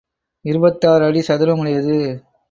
இருபத்தாறு அடி சதுரமுடையது.